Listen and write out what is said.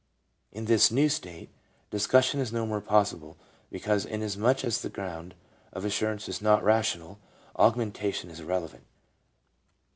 In this new state, discussion is no more possible, because, inasmuch as the ground of assurance is not rational, argumentation is irrelevant.